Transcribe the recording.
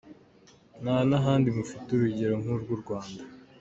Nta n’ahandi mufite urugero nk’urw’u Rwanda.